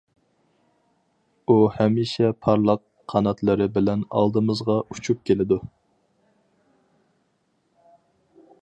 ئۇ ھەمىشە پارلاق قاناتلىرى بىلەن ئالدىمىزغا ئۇچۇپ كېلىدۇ.